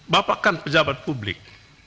bapakkan pejabat publik